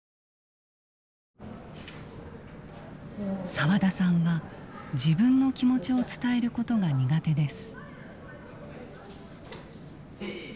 澤田さんは自分の気持ちを伝えることが苦手です。